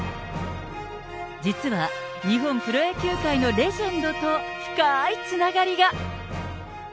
実は、日本プロ野球界のレジェンドと深ーいつながりが。